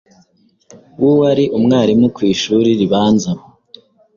w'uwari umwarimu ku ishuri ribanza